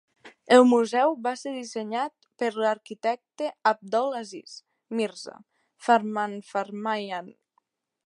El museu va ser dissenyat per l'arquitecte Abdol-Aziz Mirza Farmanfarmaian.